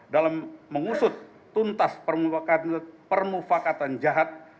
dalam mengusut tuntas permufakatan jahat